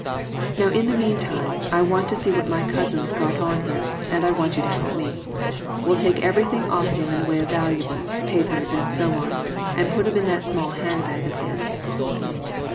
Now in the meantime, I want to see what my cousin's got on him, and I want you to help me. We'll take everything off him in the way of valuables, papers, and so on, and put 'em in that small hand bag of his."